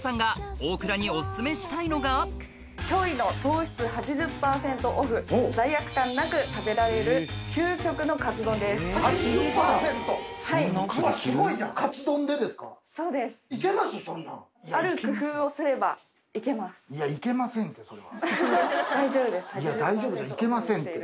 大丈夫じゃないいけませんって。